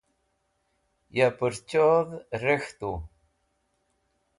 ya purchod rek̃htu